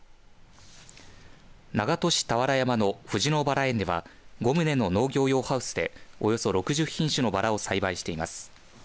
長門市俵山の藤野バラ園では５棟の農業用ハウスでおよそ６０品種のばらを栽培しています。